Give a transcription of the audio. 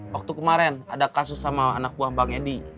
waktu kemarin ada kasus sama anak buah bang edi